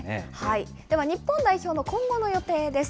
では日本代表の今後の予定です。